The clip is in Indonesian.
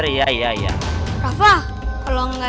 rasanya nak jawab